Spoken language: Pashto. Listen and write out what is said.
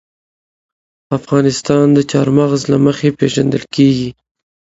افغانستان د چار مغز له مخې پېژندل کېږي.